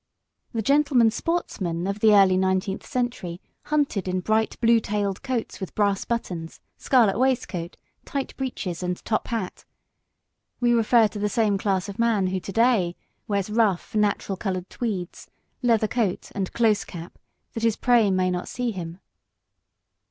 The gentleman sportsman of the early nineteenth century hunted in bright blue tailed coats with brass buttons, scarlet waistcoat, tight breeches and top hat! We refer to the same class of man who to day wears rough, natural coloured tweeds, leather coat and close cap that his prey may not see him.